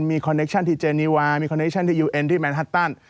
มีคอนเคชั่นที่เจนีวามีคอนเคชั่นที่ยูเอ็นที่แมนฮัตตัน